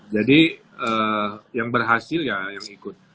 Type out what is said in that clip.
jadi yang berhasil ya yang ikut